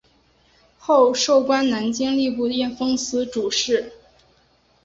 后授官南京吏部验封司主事。